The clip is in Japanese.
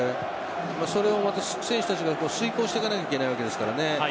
それを選手たちが遂行していかなければいけないですからね。